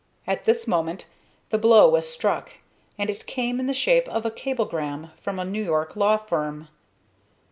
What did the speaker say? At this moment the blow was struck, and it came in the shape of a cablegram from a New York law firm.